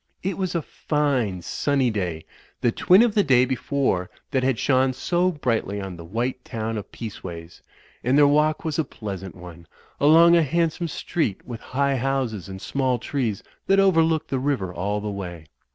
It was a fine, sunny day, the twin of the day before that had shone so brightly on the white town of Peaceways; and their walk was a pleasant one, along a handsome street with high houses and small trees that overlooked the river all the way.